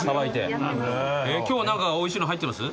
今日は何かおいしいの入ってます？